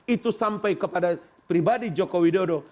itu sampai kepada pribadi jokowi dodo